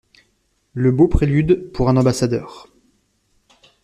Le beau prélude pour un ambassadeur !